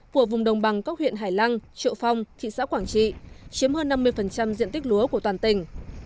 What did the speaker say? của vùng đồng bằng các huyện hải lăng triệu phong thị xã quảng trị chiếm hơn năm mươi diện tích lúa của toàn tỉnh